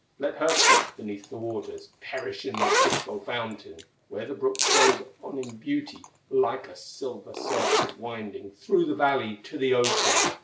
"Let her sink beneath the waters, Perish in the crystal fountain, Where the brook flows on in beauty, Like a silver serpent winding Through the valley to the ocean!"